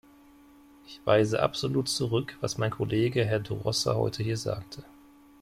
Ich weise absolut zurück, was mein Kollege Herr De Rossa heute hier sagte.